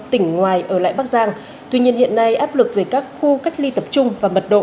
tỉnh ngoài ở lại bắc giang tuy nhiên hiện nay áp lực về các khu cách ly tập trung và mật độ